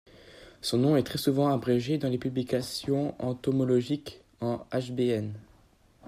Son nom est très souvent abrégé dans les publications entomologiques en Hbn.